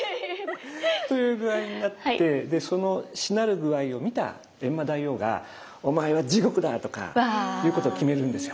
という具合になってそのしなる具合を見た閻魔大王が「お前は地獄だ！」とかいうことを決めるんですよ。